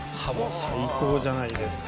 最高じゃないですか。